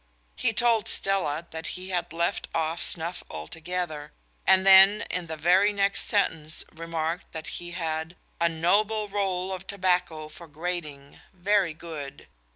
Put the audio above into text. He told Stella that he had left off snuff altogether, and then in the very next sentence remarked that he had "a noble roll of tobacco for grating, very good."